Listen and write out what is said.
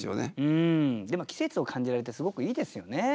季節を感じられてすごくいいですよね。